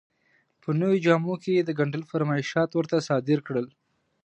په نویو جامو کې یې د ګنډلو فرمایشات ورته صادر کړل.